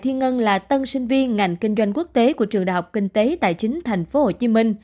thiên ngân là tân sinh viên ngành kinh doanh quốc tế của trường đại học kinh tế tài chính tp hcm